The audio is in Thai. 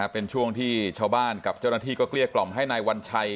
เป็นช่วงที่ชาวบ้านกับเจ้าหน้าที่ก็เกลี้ยกล่อมให้นายวัญชัย